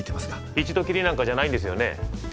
一度きりなんかじゃないんですよね？